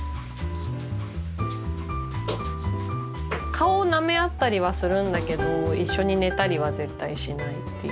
顔をなめ合ったりはするんだけど一緒に寝たりは絶対しないっていう。